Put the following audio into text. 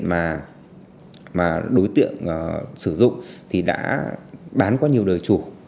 mà đối tượng sử dụng thì đã bán qua nhiều đời chủ